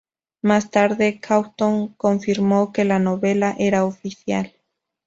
Más tarde, Cawthon confirmó que la novela era oficial.